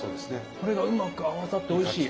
それがうまく合わさっておいしい。